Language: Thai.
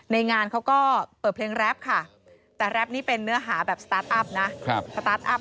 ในงานเขาก็เปิดเพลงแรปค่ะแต่แรปนี้เป็นเนื้อหาแบบสตาร์ทอัพนะสตาร์ทอัพ